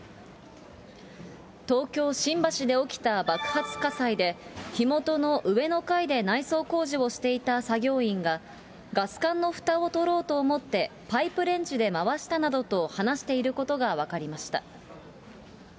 東京・新橋で起きた爆発火災で、火元の上の階で内装工事をしていた作業員が、ガス管のふたを取ろうと思ってパイプレンチで回したなどと話していることが分かりました。